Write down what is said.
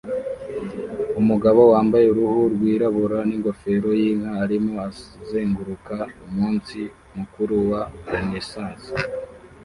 Umugabo wambaye uruhu rwirabura ningofero yinka arimo azenguruka umunsi mukuru wa Renaissance